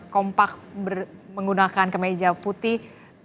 kompak menggunakan kemeja putih